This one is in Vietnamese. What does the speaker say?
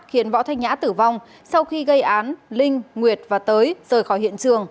khiến võ thanh nhã tử vong sau khi gây án linh nguyệt và tới rời khỏi hiện trường